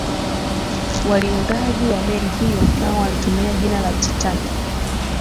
waliundaji wa meli hiyo nao walitumia jina la titanic